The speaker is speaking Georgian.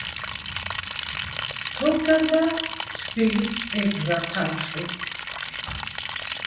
თოვდა და თბილისს ებურა თალხი